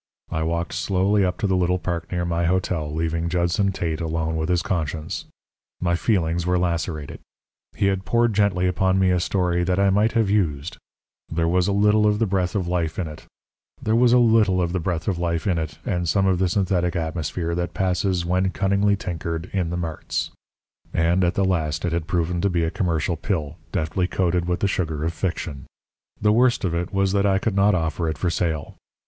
I walked slowly up to the little park near my hotel, leaving Judson Tate alone with his conscience. My feelings were lacerated. He had poured gently upon me a story that I might have used. There was a little of the breath of life in it, and some of the synthetic atmosphere that passes, when cunningly tinkered, in the marts. And, at the last it had proven to be a commercial pill, deftly coated with the sugar of fiction. The worst of it was that I could not offer it for sale.